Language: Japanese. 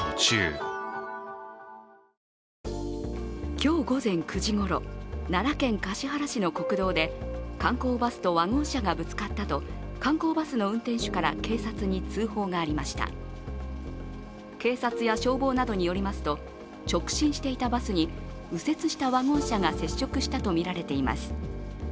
今日午前９時ごろ、奈良県橿原市の国道で観光バスとワゴン車がぶつかったと、観光バスの運転手から警察に通報がありました警察や消防などによりますと直進していたバスに右折したワゴン車が接触したとみられています